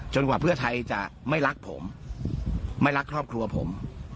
กว่าเพื่อไทยจะไม่รักผมไม่รักครอบครัวผม